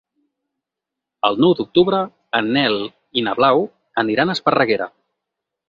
El nou d'octubre en Nel i na Blau aniran a Esparreguera.